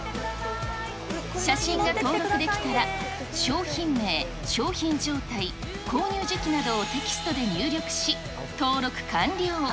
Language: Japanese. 写真が登録できたら、商品名、商品状態、購入時期などをテキストで入力し、登録完了。